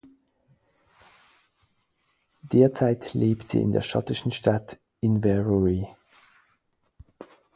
Derzeit lebt sie in der schottischen Stadt Inverurie.